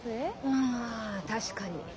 ああ確かに。